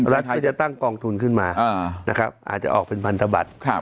รัฐก็จะตั้งกองทุนขึ้นมานะครับอาจจะออกเป็นพันธบัตร